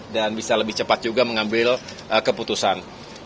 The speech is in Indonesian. dan bisa lebih cepat juga mengambil keputusan